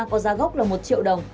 có giá gốc là một triệu đồng